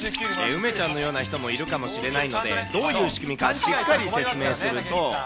梅ちゃんのような人もいるかもしれないので、どういう仕組みかしっかり説明すると。